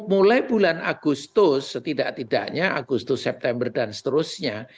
mulai bulan agustus setidak tidaknya agustus september dan seterusnya